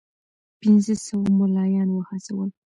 پنځه سوه مُلایان وهڅول.